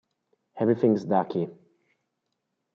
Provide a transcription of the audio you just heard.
Everything's Ducky